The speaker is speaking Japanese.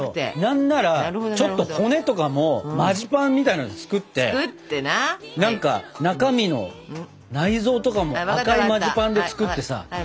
何ならちょっと骨とかもマジパンみたいなので作って何か中身の内臓とかも赤いマジパンで作ってさ。